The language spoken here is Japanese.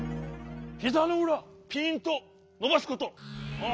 ひざのうらピーンとのばすこと。